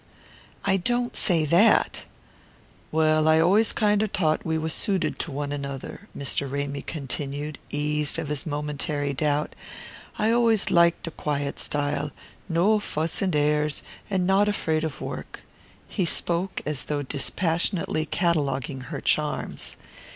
"I don't say that." "Well, I always kinder thought we was suited to one another," Mr. Ramy continued, eased of his momentary doubt. "I always liked de quiet style no fuss and airs, and not afraid of work." He spoke as though dispassionately cataloguing her charms.